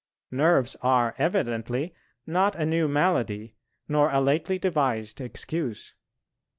Nerves are evidently not a new malady nor a lately devised excuse.